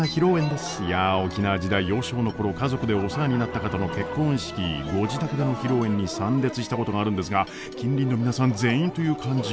いや沖縄時代幼少の頃家族でお世話になった方の結婚式ご自宅での披露宴に参列したことがあるんですが近隣の皆さん全員という感じ。